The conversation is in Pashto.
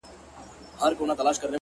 راته شعرونه ښكاري ـ